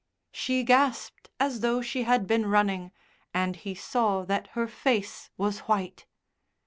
She gasped as though she had been running, and he saw that her face was white.